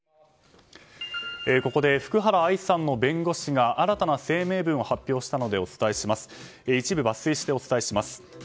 ここで福原愛さんの弁護士が新たな声明文を発表したので一部抜粋してお伝えします。